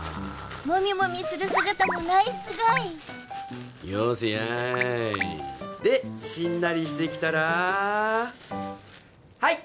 モミモミする姿もナイスガイよせやいでしんなりしてきたらはい！